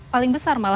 paling besar malah